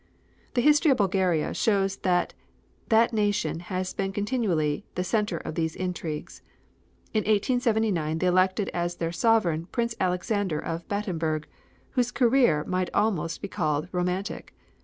The history of Bulgaria shows that that nation has been continually the center of these intrigues. In 1879 they elected as their sovereign Prince Alexander of Battenburg, whose career might almost be called romantic.